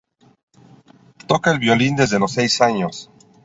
Toca el violín desde los seis años.